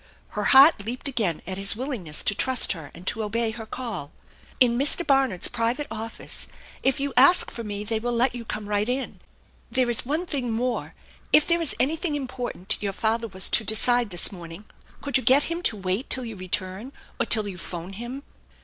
" Her heart leaped again at his willingness to trust her and to obey her call. " In Mr. Barnard's private office. If you ask for me they will let you come right in. There is one thing more. If there is anything important your father was to decide this morn ing, could you get him to wait till you return, or till you phone him?"